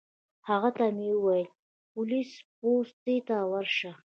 هغه ته مې وویل پولیس پوستې ته ورشه.